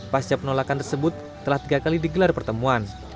pasca penolakan tersebut telah tiga kali digelar pertemuan